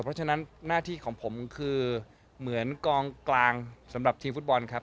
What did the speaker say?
เพราะฉะนั้นหน้าที่ของผมคือเหมือนกองกลางสำหรับทีมฟุตบอลครับ